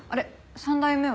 三代目は？